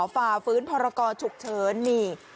ฝ่าฟื้นพรกรฉุกเฉินนี่